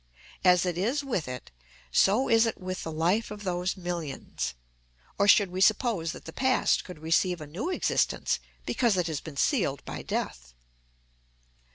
As it is with it, so is it with the life of those millions. Or should we suppose that the past could receive a new existence because it has been sealed by death?